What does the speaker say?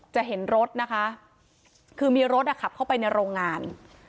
จะเห็นรถนะคะคือมีรถอ่ะขับเข้าไปในโรงงาน